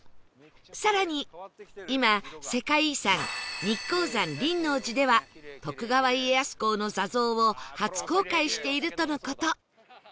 更に今世界遺産日光山輪王寺では徳川家康公の坐像を初公開しているとの事